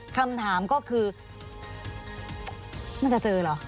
คำถามก็คือมันจะเจอเหรอ